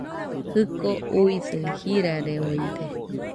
Jɨko uisɨ jirareoide